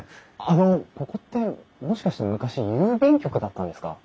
あのここってもしかして昔郵便局だったんですか？